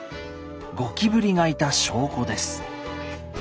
ゴキブリがいた証拠です。